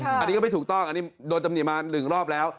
อันนี้ของก็ไม่ถูกต้องโดนตำหนิมา๑รอบแล้ว